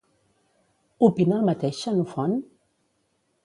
Opina el mateix Xenofont?